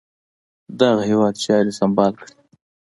دغه هیواد چاري سمبال کړي.